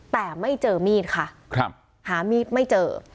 แต่ไม่เจอมีดค่ะหามีดไม่เจอ